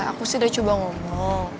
aku sih udah coba ngomong